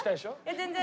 全然。